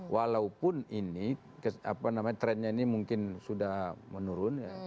walaupun ini trendnya ini mungkin sudah menurun